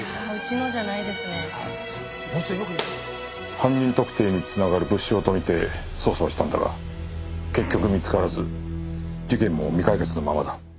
犯人特定に繋がる物証とみて捜査をしたんだが結局見つからず事件も未解決のままだ。